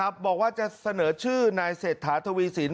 บอกว่าจะเสนอชื่อนายเศรษฐาทวีสิน